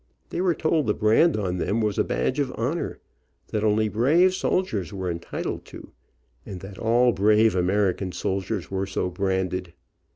They were told the brand on them was a badge of honor, that only brave men were entitled to, and that all brave American soldiers were so branded.